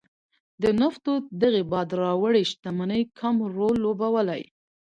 د نفتو دغې باد راوړې شتمنۍ کم رول لوبولی.